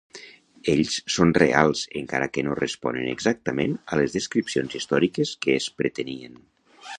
Ells són reals encara que no responen exactament a les descripcions històriques que es pretenien.